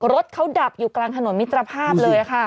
รถเขาดับอยู่กลางถนนมิตรภาพเลยค่ะ